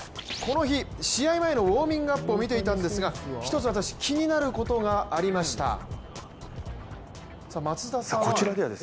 この日、試合前のウオーミングアップを見ていたんですが一つ私、気になることがありました。